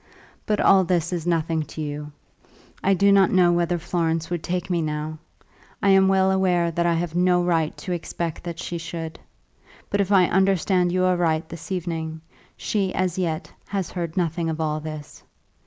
But all this is nothing to you. I do not know whether Florence would take me now. I am well aware that I have no right to expect that she should. But if I understood you aright this evening, she, as yet, has heard nothing of all this.